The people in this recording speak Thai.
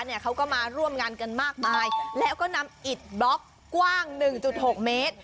เขาก็มาร่วมงานกันมากมายแล้วก็นำอิดบล็อกกว้างหนึ่งจุดหกเมตร